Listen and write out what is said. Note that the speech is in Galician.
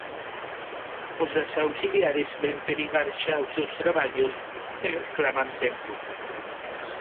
Os das auxiliares ven perigar xa os seus traballos e reclaman tempo.